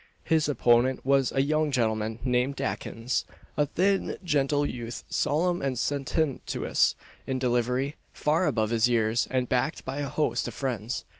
His opponent was a young gentleman named Dakins a thin, genteel youth, solemn and sententious in delivery, far above his years, and backed by a host of friends.